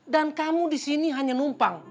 dan kamu di sini hanya numpang